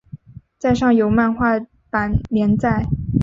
在上有漫画版连载。